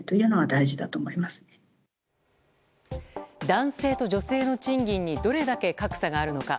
男性と女性の賃金にどれだけ格差があるのか。